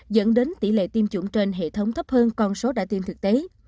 dẫn đến tỷ lệ tiêm chủng trên hệ thống thấp hơn con số đã tiêm thực tế